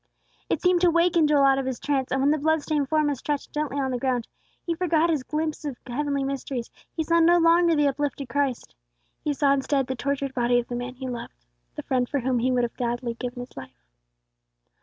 It seemed to waken Joel out of his trance; and when the bloodstained form was stretched gently on the ground, he forgot his glimpse of heavenly mysteries, he saw no longer the uplifted Christ. He saw instead, the tortured body of the man he loved; the friend for whom he would gladly have given his life.